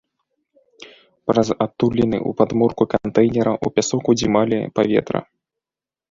Праз адтуліны ў падмурку кантэйнера ў пясок удзімалі паветра.